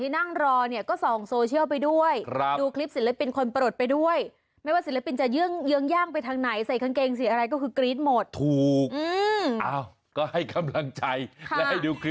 แน่นอนอยู่แล้วก็เหมือนการให้กำลังใจนั่นแหละ